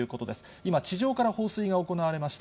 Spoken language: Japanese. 今、地上から放水が行われました。